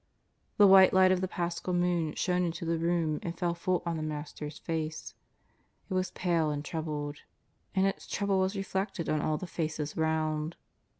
The white light of the Paschal moon shone into the room and fell full on the Master's face. It was pale and troubled. And its trouble was reflected on all the faces round.